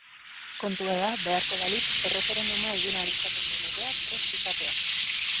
Kontua da, beharko balitz, erreferenduma egin ahal izateko legea prest izatea.